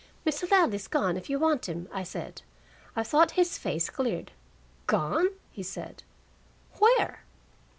"Mr. Ladley's gone, if you want him," I said. I thought his face cleared. "Gone!" he said. "Where?"